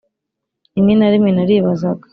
rimwe na rimwe naribazaga